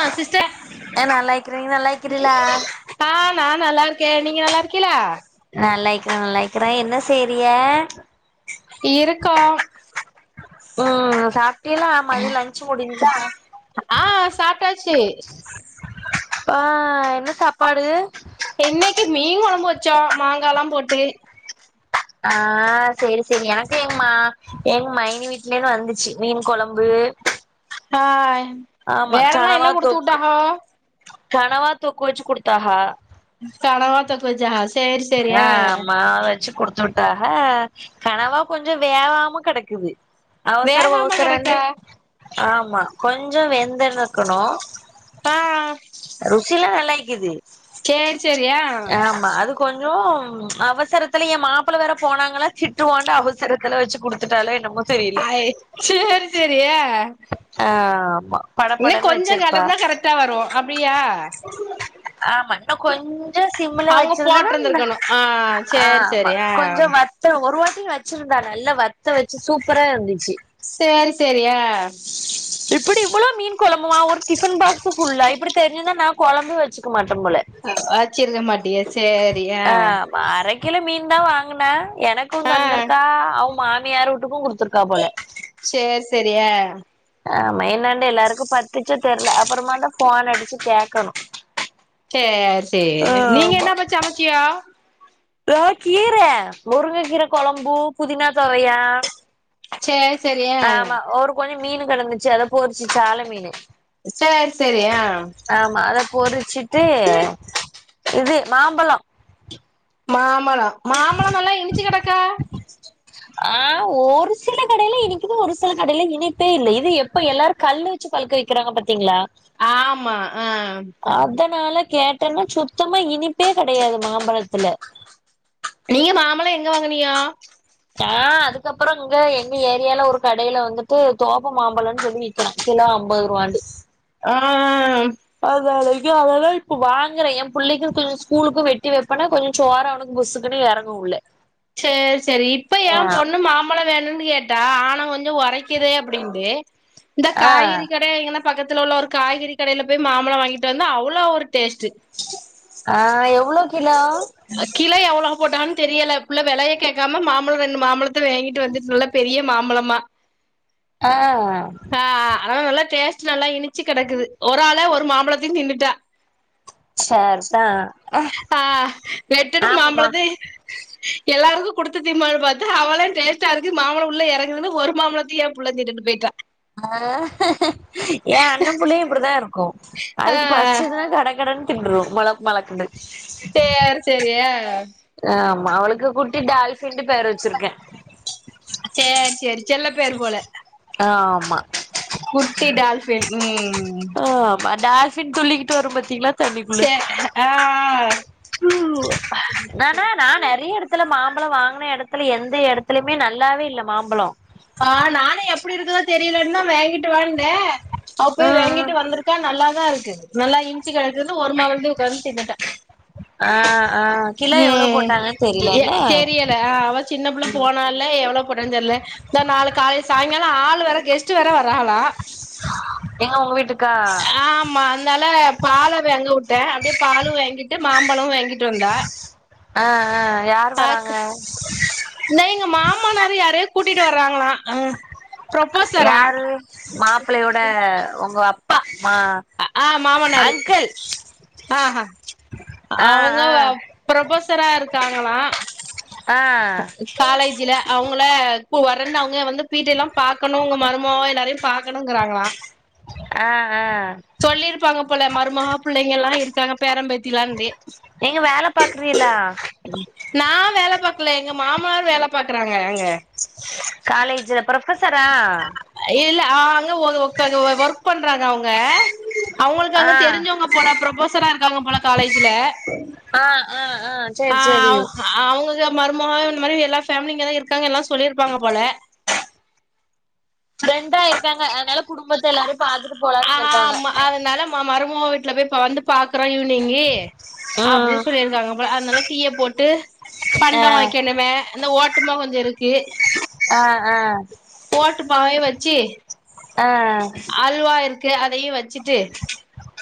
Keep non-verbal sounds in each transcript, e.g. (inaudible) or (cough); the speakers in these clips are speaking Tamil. ஆ சிஸ்டர் ஆ நல்லா இருக்கிறே நீ நல்லா இருக்கிறீலா ஆ நா நல்லாருக்கே நீங்க நல்லா இருக்கீல நல்லாயக்கிறே நல்லாயக்கிறே என்ன செய்ரிஅ இருக்கோம் உம் சாப்ட்டிகளா மத்திய லஞ்சு முடிஞ்சா ஆ சாப்ட்டாச்சு ப்பா என்ன சாப்பாடு இன்னைக்கு மீன் கொழம்பு வச்சோ மாங்கால்லா போட்டு ஆ சேரி சேரி எனக்கு எங்க ம்மா எங்க மைனி வீட்லேந்து வந்துச்சு மீன் கொழம்பு ஹாய் ஆமா வேறல்லா கனவா என்ன கொடுத்து தொக்கு விட்டாஹோ கனவா தொக்கு வச்சு குடுத்தாஹ கனவாத்தொக்கு வச்சா ஹஸ் ஆ எம்ம நாளாச்சு குடுத்துட் டாக கனவா கொஞ்ச வேகாம கெடக்குது அவசர வேகாம அவசரந்து கெடக்கா ஆமா கொஞ்ச வெந்துனக்கணு ஆ ருசிலா நல்லா இக்கிது சேரி சேரியா கொஞ்சம் அவசரத்துல எ மாப்புள்ள வேற போனாங்களா திட்டுவான்டு அவசரத்துல வச்சு குடுத்துட்டாலோ என்னமோ தெரியல ஐ சேரி சேரி ஏ ஆமா படபடன்னு கொஞ்சோ வச்சிருப்பா கடந்தா கரெக்டா வரு அப்டியா ஆமா இன்னு கொஞ்சோ சிம்ல அவுங்க வச்சிருந்தோனா இன்னோ போட்ருந்திருக்கணு ஆ சேரி ஆமா சேரி ஆ கொஞ்சோ வத் த ஒரு வாட்டியு வச்சிருதா நல்லா வத்த வச்சு சூப்பரா இருந்துச்சு சேரி சேரியா இப்டி இவ்ளோ மீன் கொழம்புமா ஒரு டிஃபன் பாக்ஸ்ஸு ஃபுல்லா இப்படி தெரிஞ்சிருந்தா நா கொழம்பு வச்சிக்க மாட்டே போல ஆக்கிருக்க மாட்டிய சேரி ஆ அரக்கிலோ மீன் தா வாங்கினா எனக்கூ ஆ தந்திருக்கா அவ் மாமியார் வூட்டுக்கு குடுத்துருக்கா போல சேரி சேரி ஏ ஆமா என்னேன்ட எல்லாருக்கு பத்துச்சோ தெர்ல அப்புறமாதா ஃபோன் அடிச்சு கேக்கணு சேரி சேரி ஆ நீங்க என்ன அப்ப சமச்சியோ இதோ கீர முருங்க கீர கொழம்பு புதினா தொவயா சேரி சேரி ஆ ஆமா ஒரு கொஞ்சோ மீனு கெடந்துச்சு அத பொருச்சு சால மீனு சேரி சேரி ஆ ஆமா அத பொறிச்சிட்டு இது மாம்பழோ மாம்மழோ ஆ ஒரு சில கடயில இனிக்குது ஒரு சில கடயில இனிப்பே இல்ல இது எப்ப எல்லாரு கல்லு வச்சு பழுக்க வக்கிறாங்க பாத்தீங்களா ஆமா ஆ அதனால கேட்டனா சுத்தமா இனிப்பே கெடயாது மாம்பழத்துல நீங்க மாம்பழோ எங்க வாங்குனியோ. நா அதுக்கப்புறோ இங்க எங்க ஏரியால ஒரு கடயில வந்துட்டு தோப்பு மாம்பழோனு சொல்லி விக் (inaudible) கிலோ அம்பது ரூவாண்டு ஆ அதா தா இதுவு அதனாலதா இப்ப வாங்குறே என் பிள்ளேக்கு கொஞ்சோ ஸ்கூலுக்கூ வெட்டி வெப்பேனா கொஞ் சோறு அவனுக்கு புசுக்குனு எறங்கு உள்ள செரி செரி இப்ப ஏ ஆ பொண்ணு மாம் பழோ வேணும்னு கேட்டா ஆணோ கொஞ்சோ ஒரைக்குது அப்டின்ட்டு இந்த ஆ காய்கறி கட எங்கனா பக்கத்துல உள்ள ஒரு காய்கறி கடையில போய் மாம்பழோ வாங்கிட்டு வந்து அவ்ளோ ஒரு டேஸ்ட்டு ஆ எவ்ளோ கிலோ அ கிலோ எவ்ளோ போட்டான் தெரியல புள்ள வெலய கேக்காம மாம்பழோ ரெண்டு மாம்பழத்த வேங்கிட்டு வந்துட்டு நல்லா பெரிய மாம்பழமா ஆ அ ஆனா நல்லா டேஸ்ட் நல்லா இனிச்சு கெடக்குது ஒரு ஆளா ஒரு மாம்பழத்தையு தின்னுட்டா சரிதா ஆ நெட்டுட்டு ஆமாமா மாம்பழத்தயு எல்லாருக்கு குடுத்து தீம்போனு பாத்தா அவளே டேஸ்டா இருக்கு மாம்பழோ உள்ள எறங்குதுனு ஒரு மாம்பழத்தயு ஃபுல்லா தின்னுட்டு பொய்ட்டா ஆ ஏ அண்ண புள்ளயு இப்டிதா இருக்கு ஆ அதுக்கு பசிச்சுதுனா கட கடனு தின்ட்ரூ மளக் மளக்குனு சேர் சேரியா ஆமா அவளுக்கு குட்டி டால்ஃபின்டு பேர் வச்சிருக்கே செரி செரி செல்ல பேரு போல ஆ ஆமா குட்டி டால்ஃபின் ம் ஆ ஆமா டால்ஃபின் துள்ளிக்கிட்டு வரு பாத்தீங்களா செ அ ஆ அ நானா நா நெறைய எடத்துல மாம்பழோ வாங்குன எடத்துல எந்த எடத்துலயுமே நல்லாவே இல்ல மாம்பழோ ஆ நானும் எப்படி இருக்குதோ தெரியலன்னு தான் வாங்கிட்டு வாந்நே அவ போய் ம் ம் வாங்கிட்டு வந்திருக் ஒர்க்கா நல்லாாதான் இருக்குது நல்லா இனிச்சு கெடக்குதுன்னு ஒரு மாம்பழத்தையு உக்காந்து தின்னுட்டா ஆ ஆ கிலா எவ்ளோ போட்டாங்கன்னு தெரியல என்ன தெர்ல அவ சின்ன புள்ள போனல எவ்ளோ போட்டா தெர்ல இந்த நாாலு காலைய சாயங்காலம் ஆள் வேற கெஸ்ட் வேற வராங்களா எங்க உங்க வீட்டுக்கா ஆமா அதனால பால வாங்க வுட்டேன் அப்டியே பாலும் வாங்கிட்டு மாம்பழம் வாங்கிட் டு வந்தா ஆ ஆ யார் பாக்கு வராங்க இன்னைக் எங்க மாமனாரு யாரையோ கூட்டிட்டு வர்றாங்களா ஹ யாரு மாப்பிள்ளையோட உங்க அப்பா மா ஆ மாமனாரு அங்கிள் ஆஹா ஆ அவுங்க ஆ ப்ரொபசரா இருக்காங்களா ஆ காலேஜ்ல அவுங்கள கு வரன் அவுங்க வந்து பீட்ட எல்லாம் பாக்கணும் உங்க மருமவா எல்லாரையும் பாக்கணுங்கிறாங்களா ஆ ஆ சொல்லியிருப்பாங்க போல மருமகா பிள்ளைங்க எல்லாம் இருக்காங்க பேரம் பேத்திலான்டே நீங்க வேல பாக்குறீயளா நா வேல பாக்கல எங்க மாமனார் வேல பாக்குறாங்க அங்க காலேஜ்ல ப்ரஃப்பசர இல்ல அங்க ஒ ஒக ஒக்க ஓ ஒர்க் பண்றாங்க அவங்க அவங்களுக்கு ஆ அங்க தெரிஞ்சவங்க போல புரொஃபொசரா இருக்காவ்ங்க போல காலேஜ்ல ஆ ஆ ஆ சேரி சேரி பாவ் அவங்கக் மருமக இந்த மாரி எல்லா ஃபேமிலி இங்கதா இருக்காங்க எல்லா சொல்லிருப்பாங்க போல ஃப்ரெண்டா இருக்காங்க அதனால குடும்பத்த எல்லாரையு பாத்துட்டு போலானு வந்துருக்காங்க கா மருமக வீட்ல போய் இப்ப வந்து பாக்குறோ ஈவ்னிங்கு ம் அப்டின் சொல்லிருக்காங்க போல அதனால டீய போட்டு ஆ பண்டோ வைக்கணும அந்த ஓட்டுமா கொஞ்சொ இருக்கு ஆ ஆ ஓட்டுமாவையு வச்சு ஆ அல்வா இருக்கு அதையு வச்சு சு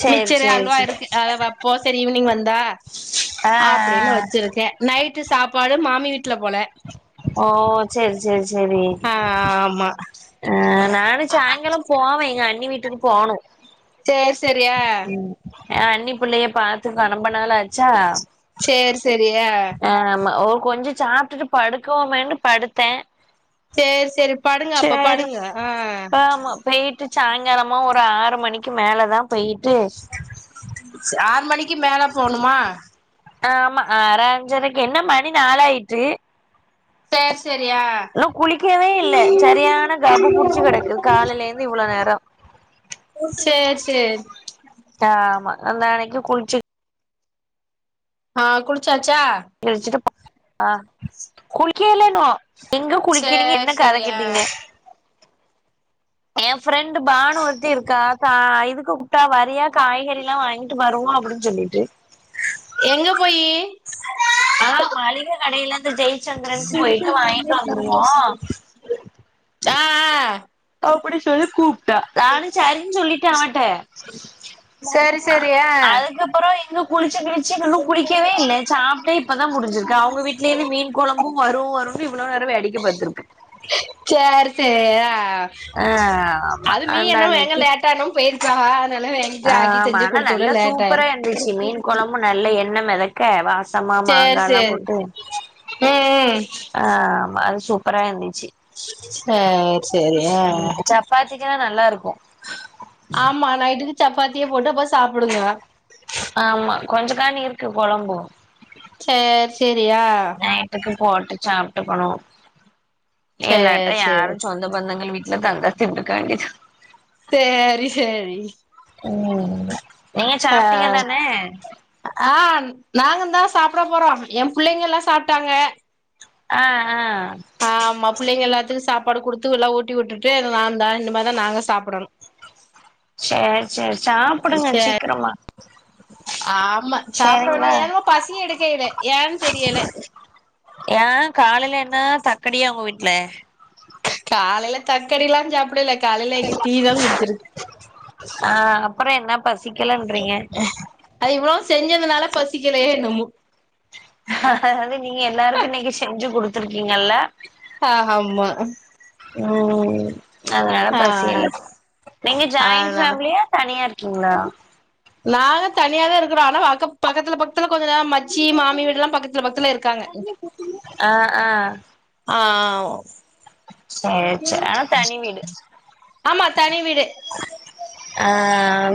சேரி மிச்சர் சேரி அல்வா சேரி இருக்கு அத வப்போ சரி ஈவினிங் வந்தா ஆ அப்டின்னு ஆ வச்சிருக்கே நைட்டு சாப்பாடு மாமி வீட்ல போல ஓ செர் செர் செரி ஆ ஆமா ஆ நானு சாயங்காலம் போவே எங்க அண்ணி வீட்டுக்கு போணு சேர் செரியா ம் ஏ அன்னி புள்ளைய பாத்துகோ நொம்போ நாளாச்சா சேரி சேரியா ஆ ம ஒ கொஞ்சொ சாப்ட்டுட்டு படுக்குவோமேண்டு படுத்தே சேர் சொரி படுங்க அப்ப சேரி படுங்க ஆ ஆமா போயிட்டு சாயங்காலமா ஒரு ஆறு மணிக்கு மேலதா போயிட்டு ஆறு மணிக்கு மேல போனுமா ஆமா ஆறா அஞ்சரைக்கு என்ன மணி நாளாயிட்டு சேர் செரியா இன்னு குளிக்கவே இல்ல சரியான கபு புடிச்சு கெடக்கு காலைல இருந்து இவ்ளோ நேரோ சேர் சேர் தாமா அ நாளைக்கு குளிச்சு ஆ குளுச்சாச்சா (inaudible) ஆ குளிக்கேல்லன்னு எங்க குளுக்குனீங்க சேர் என்ன கத சேரி ஆ கேட்டீங்க எ ஃப்ரெண்டு் பானு ஒருத்தி இருக்கா கா இதுக்கு கூப்ட்டா வறியா காய்கறில்லா வாங்கி ட்டு வருவோ அப்டின் சொல்லிட்டு எங்க போயி ஆ மளிக கடைலருந்து ஜெயச்சந்திரன்க்கு போயிட்டு வாங்கிட்டு வந்துருவோ ச்சா அப்டி சொல்லி கூப்ட்டா நானே சரின் சொல்லிட்டே அவட்டே சேரி சேரி ஆ அதுகப்பறோ எங்க குளிச்சு கிளிச்சு இன்னு குளிக்கவே இல்ல சாப் ட்டே இப்பதா முடிஞ்சிர்க்கு அவுங்க வீட்லேந்து மீன் கொழம்பு வரு வரூனு இவ்ளோ நேரோ வேடிக்க பாத்துருக்க சேர் சேர் ஆ ஆ ஆமா அது மீ அதா இன்னு வேக லே ட்டாதா போயிரிச்சாக அதனாலே வே ஆ ஆமா ஆனா நல்லா சூப்பரா இருந்துச்சு மீன் கொழம்பு நல்ல எண்ண மெத க்க வாசமா சேர் மாங்கால சேரி போட்டு ம் ம் ஆ ஆமா அது சூப்பரா இந்துச்சி சேரி சேரி அ பாத்தீங்கனா நல்லாருக்கு ஆமா நைட்டுக்கு சப்பாத்தியே போட்டு அப்போ சாப்புடுங்கோ ஆமா கொஞ்ச காண் இருக்கு கொழம்பூ சேரி சேரியா நைட்டுக்கு போட்டு சாப்ட்டுக்கனு இல்லாட்டா சேர் யாரோ சேரி சொந்த பந்தங்கள் வீட்ல தங்கத்தின்டுக்காண்டி சேரி சேரி ம் நீங்க சாப்டீங்க ஆ தான ஆ நாங்க தா சாப்ட போறோ எ புள்ளைங்க எல்லா சாப்ட்டாங்க அ ஆ ஆமா புள்ளைங்க எல்லாத்துக்கு சாப்பாடு குடுத்து எல்லா ஊட்டி உட்டுடு அத நாந்தா இனிமேதா நாங்க சாப்படணு சேரி சேரி சாப்டுங்க சேரி சீக்கரமா ஆமா சாப்ட ஒன்னே ஏனுமோ பசியே எடுக்கையிலே ஏ தெரியலே ஏ காலைல என்ன தக்கடியா உங்க வீட்ல காலைல தக்கடிலா சாப்டலே காலையில எ டீதா குடிச்சிருக்கு அ அப்றோ என்ன பசிக்கலன்றீங்க அது இவ்ளோ செஞ்சதுனாலே பசிக்கலையோ என்னமோ அது நீங்க எல்லாருக்கு நீங்க செஞ்சு குடுத்துருக்கீங்கல்ல அ ஆமா ம் அதனால ஆ பசியில்ல இப்போ நீங்க ஜாயிண்ட் அதனால ஃபேம்லியா தனியா இருக்கீங்ளா நாங்க தனியா தா இருக்கறோ ஆனா அக்க பக்கத்துல பக்கத்துல கொஞ்ச நேம் மச்சி மாமி வீடு எல்லா பக்கத்துல பக்கத்துல இருக் காங்க அ ஆ ஆ சேரி சேரி ஆனா தனி வீடு ஆமா தனி வீடு ஆ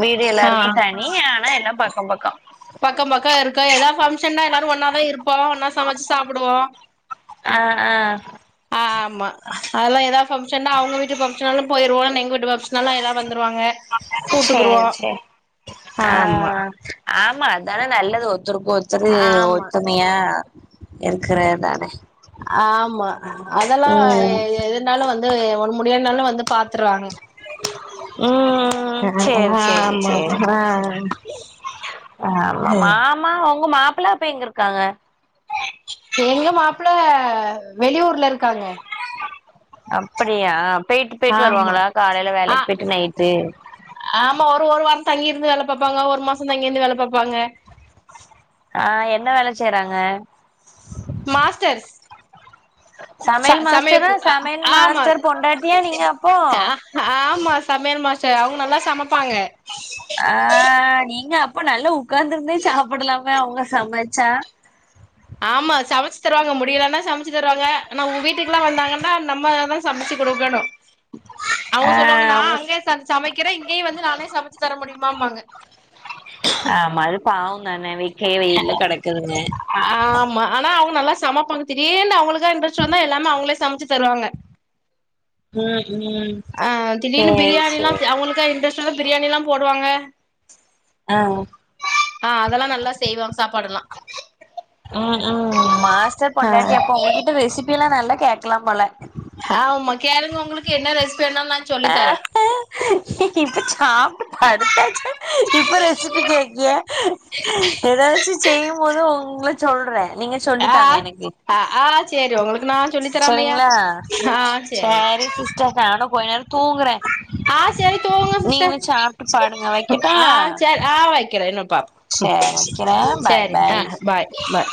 வீடு ஆ எல்லாருக்கு தனி ஆனா எல்லா பக்கோ பக்கோ பக்கோ பக்கோ இருக்கோ எதா ஃபங்ஷன்னா எல்லாரு ஒன்னாதா இருப்போ ஒன்னா சமைச்சி சாப்டுவோ அ ஆ அ ஆமா அதெல்லா இதா ஃபம்ஷன்னா அவுங்க வீட்டு ஃபம்ஷன்னாலு போயிறுவோ எங்க வீட்டு ஃப்ஷன்னாலா எல்லா வந்துருவாங்க கூப்ட்டுக்குருவோ சேரி சேரி ஆ ஆமா ஆமா அதான நல்லது ஒத்தருக்கு ஒருத்தரு ஆமா ஒத்துமையா இருக்கற தான ஆமா அதெல்லா எ எ எது னாலு வந்து ஒடம் முடியல்னாலு வந்து பாத்துட்றாங்க ம் அ சேரி சேரி ஆமாமா சேரி அ ஆமா மாமா உங்க மாப்ள அப்ப எங்கருக்காங்க எங்க மாப்ள வெளியூர்ல இருக்காங்க அப்டியா போய்ட்டு போய்ட்டு ஆமா வருவாங்களா காலைல ஆ வேலைக்கு போய்ட்டு நைட்டு ஆமா ஒரு ஒரு வாரோ தங்கிருந்து வேல பாப்பாங்க ஒரு மாசோ தங்கிருந்து வேல பாப்பாங்க ஆ என்ன வேல செய்றாங்க மாஸ்டர்ஸ் ச சமையல் மாஸ்டரா சமயக்கு சமையல் ஆமா மாஸ்டர் பொண்டாட்டியா நீங்க அப்போ ஆ ஆமா சமையல் மாஸ்டர் அவுங்க நல்லா சமைப்பாங்க ஆ நீங்க அப்ப நல்லா உட்கார்ந்துருந்தே சாப்படலாமே அவங்க சமைச்சா ஆமா சமைச்சு தருவாங்க முடியலன்னா சமைச்சு தருவாங்க ஆனா உங்க வீட்டுக்குலா வந்தாங்கனா நம்ம சமைச்சு குடுக்கணு அவங்க ஆ சொல்லுவாங்க நா அவங்க அங்க சமைக்கிறே இங்கயு வந்து நானே சமைச்சு தர முடியுமாம்பாங்க ஆமா அது பாவ தான வெக்கையு வெயில்ல கெடக்குதுங்க ஆமா ஆனா அவங்க நல்லா சமைப்பாங்க திடீர்னு அவங்களுக்கா இன்டரெஸ்ட் வந்தா எல்லாமே அவங்களே சமைச்சு தருவாங்க ம் ம் ஆ திடீர்னு சேரி பிரியாணில்லா சேரி அவங்களுக்கா இன்ட்ரெஸ்ட் வந்தா பிரியாணில்லா போடுவாங்க ஆ ஆ அதெல்லா நல்லா செய்வா சாப்பாடுல்லா ம் ம் மாஸ்டர் பொண்டாட்டி அப்ப உங்ககிட்ட ஆ ரெசிபில்லா நல்லா கேக்கலா போல ஆ உ மா கேளுங்க உங்களுக்கு என்ன ரெசிபி வேணாலு நா சொல்லி ஆ தர இப்ப சாப்ட்டு படுத்தாச்சு இப்ப ரெசிபி கே்க்கிய எதாச்சு செய்ய போது உங்க சொல்ற நீங்க சொல்லி ஆ தாங்க எனக்கு ஆ ஆ சேரி உங்களுக்கு நா சொல்லி தராமையா சரிங்ளா ஆ சேரி சரி சிஸ் டர் நானு கொஞ்சோ நேர தூங்குற ஆ செரி தூங்குங்க சிஸ்டர் சாப்ட்டு படுங்க வைக்கட்டா ஆ செரி ஆ வக்ற என்னப்பா ம் சேரி வைக்கிறே பாய் செரி ஆ பாய் பாய்